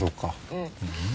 うん。